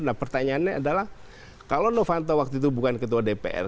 nah pertanyaannya adalah kalau novanto waktu itu bukan ketua dpr